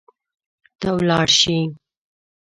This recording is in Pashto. ته ولاړ شي